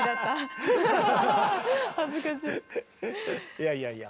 いやいやいや。